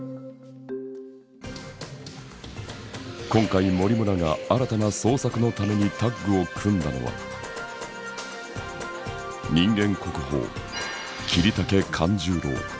今回森村が新たな創作のためにタッグを組んだのは人間国宝桐竹勘十郎。